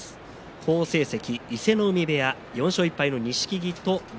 好成績、伊勢ノ海部屋４勝１敗の錦木と竜